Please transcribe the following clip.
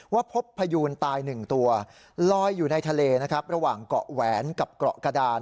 พบพยูนตาย๑ตัวลอยอยู่ในทะเลนะครับระหว่างเกาะแหวนกับเกาะกระดาน